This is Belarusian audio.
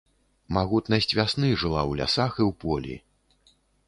Магутнасць вясны жыла ў лясах і ў полі.